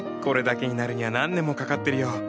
これだけになるには何年もかかってるよ。